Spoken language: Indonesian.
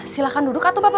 silahkan duduk atu papa